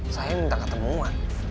saya minta ketemuan